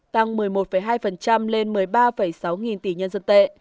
tăng một mươi một hai lên một mươi ba sáu nghìn tỷ nhân dân tệ